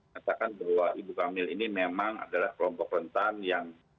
mengatakan bahwa ibu kamil ini memang adalah kelompok rentan yang